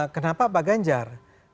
kenapa pak ganjar